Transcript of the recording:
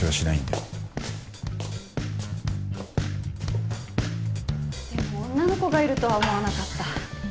でも女の子がいるとは思わなかった。